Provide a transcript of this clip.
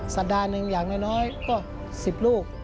สัปดาห์หนึ่งอย่างน้อยก็๑๐ลูก